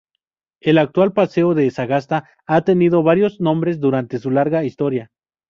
El actual paseo de Sagasta ha tenido varios nombres durante su larga historia.